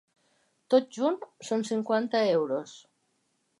Tot junt, són cinquanta euros.